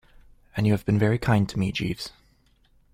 And you have been very kind to me, Jeeves.